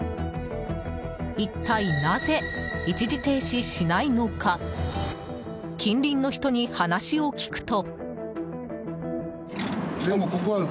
一体、なぜ一時停止しないのか近隣の人に話を聞くと。